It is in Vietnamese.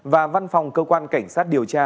và văn phòng cơ quan cảnh sát điều tra